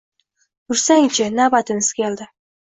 Yursang-chi, navbatimiz keldi